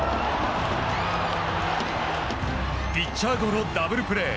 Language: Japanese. ピッチャーゴロ、ダブルプレー。